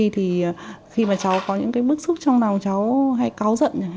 thì khi mà cháu có những cái bức xúc trong đầu cháu hay cáo giận